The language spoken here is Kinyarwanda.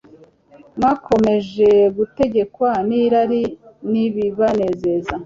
Mwakomeje gutegekwa nirari nibibanezeza